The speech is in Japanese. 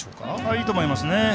いいと思います。